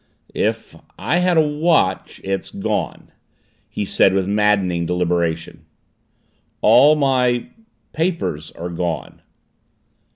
"If I had a watch it's gone," he said with maddening deliberation. "All my papers are gone."